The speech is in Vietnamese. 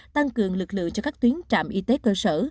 tăng cường lực lượng cho các tuyến trạm y tế cơ sở